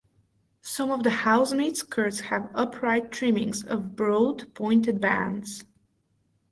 Some of the housemaid skirts have upright trimmings of broad pointed bands.